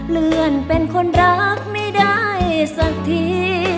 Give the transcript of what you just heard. เลื่อนเป็นคนรักไม่ได้สักที